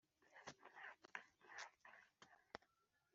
Buziguye kugeza ku gisanira cya kane